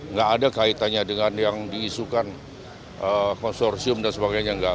nggak ada kaitannya dengan yang diisukan konsorsium dan sebagainya